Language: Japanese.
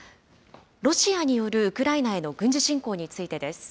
ロシアによるウクライナへの軍事侵攻についてです。